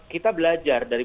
kita belajar dari